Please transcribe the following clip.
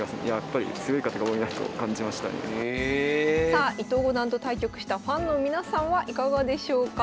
さあ伊藤五段と対局したファンの皆さんはいかがでしょうか？